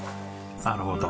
なるほど。